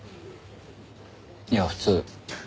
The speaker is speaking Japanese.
いや普通。